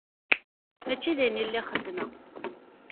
Mačči d ayen i lliɣ xeddmeɣ.